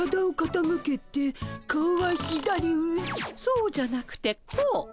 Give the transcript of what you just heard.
そうじゃなくてこう。